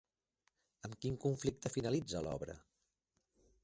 Amb quin conflicte finalitza l'obra?